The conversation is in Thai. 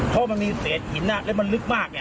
เพราะมันมีเศษหินแล้วมันลึกมาก